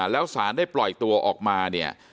แล้วสารได้ปล่อยตัวออกมาเนี่ย